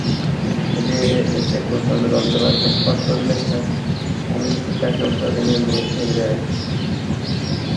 এতে প্রচণ্ড যন্ত্রণায় ছটফট করলে স্বামীই তাঁকে ওষুধ এনে মেখে দেন।